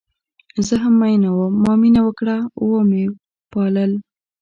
زه هم میینه وم ما مینه وکړه وه مې پالل